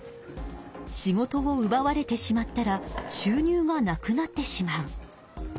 「仕事をうばわれてしまったらしゅう入がなくなってしまう」。